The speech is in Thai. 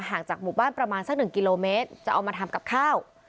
จากหมู่บ้านประมาณสัก๑กิโลเมตรจะเอามาทำกับข้าว